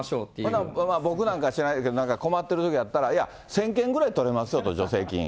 ただ、僕なんか知らないけど、なんか困ってるときあったら、いや、１０００件ぐらい取れますよと、助成金。